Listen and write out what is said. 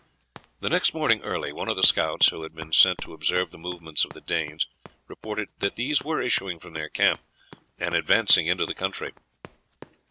The next morning early, one of the scouts, who had been sent to observe the movements of the Danes, reported that these were issuing from their camp, and advancing into the country.